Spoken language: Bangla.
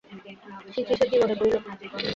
ছি ছি, সে কী মনে করিল।